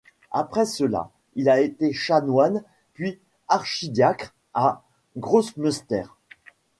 Après cela il a été chanoine puis archidiacre à Grossmünster.